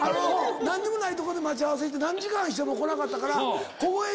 何もないとこで待ち合わせして何時間しても来なかったから。